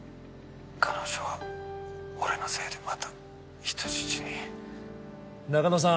彼女は俺のせいでまた人質に中野さん